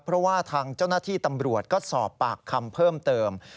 เพราะว่าทางเจ้าหน้าที่ตำรวจก็สอบปากคำเพิ่มเติม